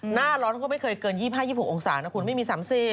หน้าร้อนก็ไม่เคยเกิน๒๕๒๖องศานะคุณไม่มี๓๐